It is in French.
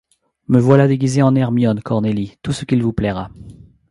Me voilà déguisée en Hermione, Cornélie, tout ce qu'il vous plaira.